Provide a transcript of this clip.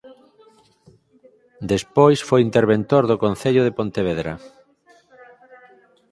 Despois foi interventor do concello de Pontevedra.